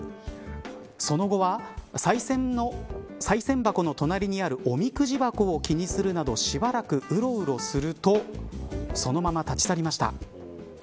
その後はさい銭箱の隣にあるおみくじ箱を気にするなどしばらくうろうろするとそのまま立ち去りました。